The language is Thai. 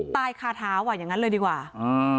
คาเท้าอ่ะอย่างงั้นเลยดีกว่าอ่า